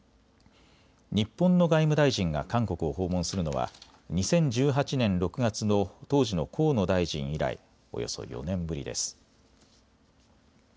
日本の外務大臣が韓国を訪問するのは２０１８年６月の当時の河野大臣以来およそ４年ぶりです。